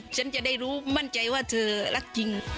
ฉันจะได้รู้มั่นใจว่าเธอรักจริง